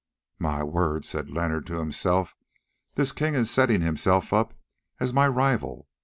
"My word!" said Leonard to himself, "this king is setting himself up as my rival.